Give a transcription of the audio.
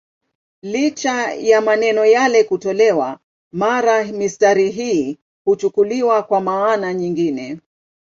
Licha ya maneno yale kutolewa, mara mistari hii huchukuliwa kwa maana nyingine.